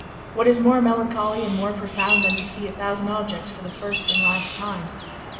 What is more melancholy and more profound than to see a thousand objects for the first and the last time?